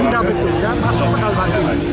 tidak betul dan langsung menolak ini